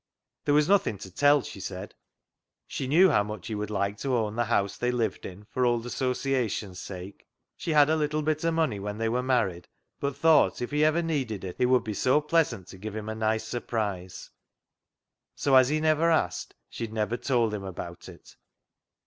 There was nothing to tell, she said. She knew how much he would like to own the house they lived in, for old associations' sake. She had a little bit of money when they were married, but thought, if he ever needed it, it would be so pleasant to give him a nice sur prise ; so, as he never asked, she had never told him about it.